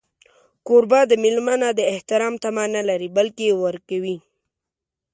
کوربه د مېلمه نه د احترام تمه نه لري، بلکې ورکوي.